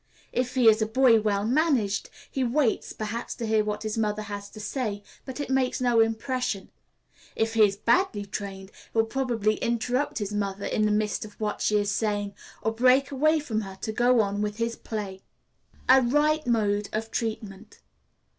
If he is a boy well managed, he waits, perhaps, to hear what his mother has to say, but it makes no impression. If he is badly trained, he will probably interrupt his mother in the midst of what she is saying, or break away from her to go on with his play. _A right Mode of Treatment.